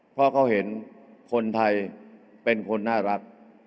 เพราะเขาเห็นคนไทยเป็นคนน่ารัก